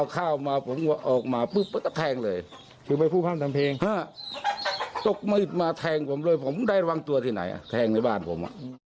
ตกมีดมาแทงผมเลยผมได้ระวังตัวที่ไหนฮะแทงในบ้านผมอ่ะ